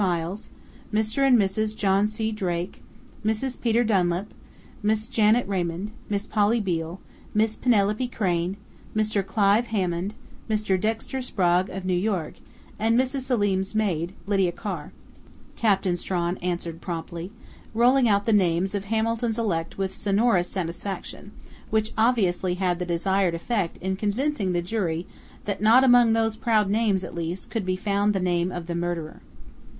Miles, Mr. and Mrs. John C. Drake, Mrs. Peter Dunlap, Miss Janet Raymond, Miss Polly Beale, Miss Penelope Crain, Mr. Clive Hammond, Mr. Dexter Sprague of New York, and Mrs. Selim's maid, Lydia Carr," Captain Strawn answered promptly, rolling out the names of Hamilton's elect with sonorous satisfaction, which obviously had the desired effect in convincing the jury that not among those proud names, at least, could be found the name of the murderer.